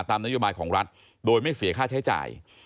นโยบายของรัฐโดยไม่เสียค่าใช้จ่าย